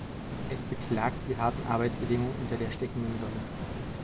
Es beklagt die harten Arbeitsbedingungen unter der stechenden Sonne.